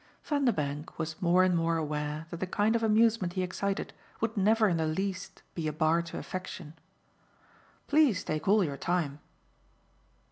Vanderbank was more and more aware that the kind of amusement he excited would never in the least be a bar to affection. "Please take all your time."